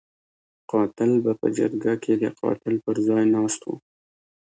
قاتل به په جرګه کې د قاتل پر ځای ناست وو.